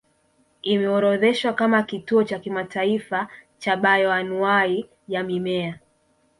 Imeorodheshwa kama kituo cha kimataifa cha bayoanuwai ya mimea